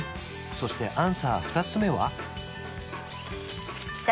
そしてアンサー２つ目は？